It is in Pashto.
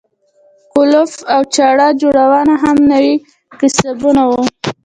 کولپ او چړه جوړونه هم نوي کسبونه وو.